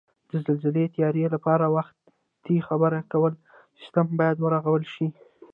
د زلزلې تیاري لپاره وختي خبرکولو سیستم بیاد ورغول شي